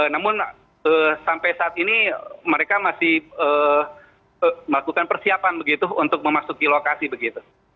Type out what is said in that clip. namun sampai saat ini mereka masih melakukan persiapan begitu untuk memasuki lokasi begitu